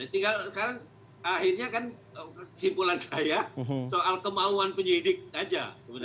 tinggal sekarang akhirnya kan kesimpulan saya soal kemauan penyidik saja